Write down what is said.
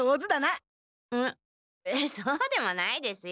そうでもないですよ。